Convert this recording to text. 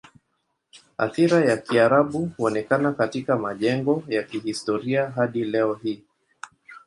Athira ya Kiarabu huonekana katika majengo ya kihistoria hadi leo hii.